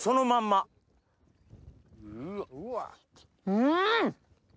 うん！